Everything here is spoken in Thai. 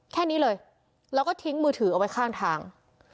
แค่นี้เลยแล้วก็ทิ้งมือถือเอาไว้ข้างทาง